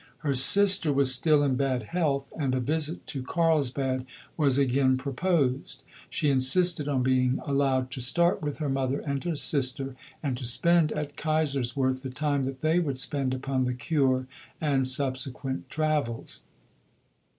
Her sister was still in bad health, and a visit to Carlsbad was again proposed. She insisted on being allowed to start with her mother and her sister, and to spend at Kaiserswerth the time that they would spend upon the cure and subsequent travels.